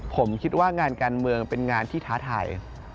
ผมคิดว่างานการเมืองเป็นงานที่ท้าทาย